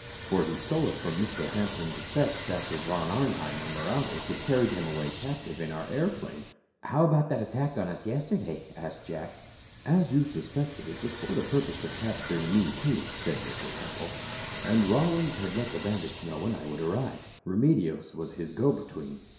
For he stole it from Mr. Hampton's effects after Von Arnheim and Morales had carried him away captive in our airplane." "How about this attack on us yesterday?" asked Jack. "As you suspected, it was for the purpose of capturing me, too," said Mr. Temple. "And Rollins had let the bandits know when I would arrive. Remedios was his go between."